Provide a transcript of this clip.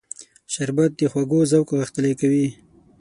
شربت د خوږو ذوق غښتلی کوي